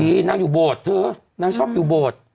นางอยู่โบสถ์เธอนางชอบอยู่โบสถ์